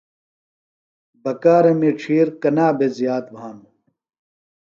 بکارمی ڇِھیر کنا بھےۡ زِیات بھانوۡ؟